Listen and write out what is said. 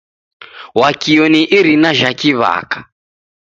Wakio ni irina jha kiw'aka.